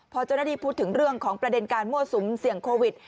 พอเจ้าหน้าที่พูดถึงเรื่องของประเด็นการมั่วสุมเสี่ยงโควิด